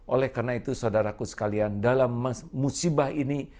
oleh karena itu saudaraku sekalian dalam musibah ini